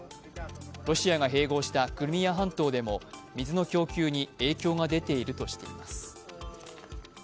ロシアが併合したクリミア半島でも水の供給に影響が出ているとしています。